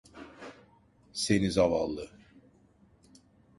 Seni zavallı.